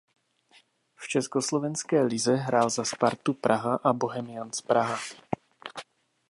V československé lize hrál za Spartu Praha a Bohemians Praha.